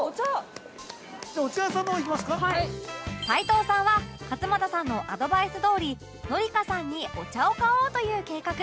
齊藤さんは勝俣さんのアドバイスどおり紀香さんにお茶を買おうという計画